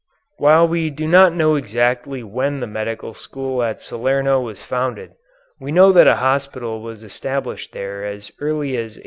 While we do not know exactly when the medical school at Salerno was founded, we know that a hospital was established there as early as 820.